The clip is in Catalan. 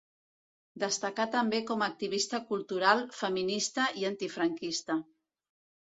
Destacà també com a activista cultural, feminista i antifranquista.